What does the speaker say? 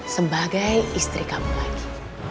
sebagai istri kamu lagi